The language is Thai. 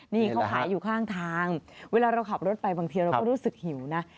นี่เขาขายอยู่ข้างทางเวลาเราขับรถไปบางทีเราก็รู้สึกหิวนะ